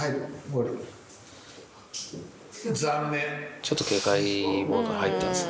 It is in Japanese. ちょっと警戒モード入ったんですね。